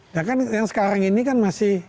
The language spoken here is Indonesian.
dan kan yang sekarang ini kan masih